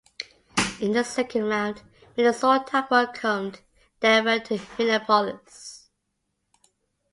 In the second round Minnesota welcomed Denver to Minneapolis.